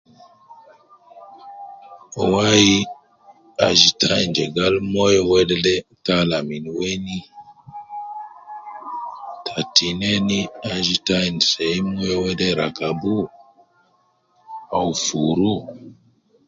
Wai, aju ta ain jegal moyo wedede tala min weni ta tinen aju ta ain seyi moyo wede rakabu, au fuuru.